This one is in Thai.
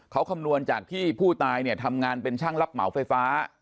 เขาคำนวณจากที่ผู้ตายเนี่ยทำงานเป็นช่างรับเหมาไฟฟ้า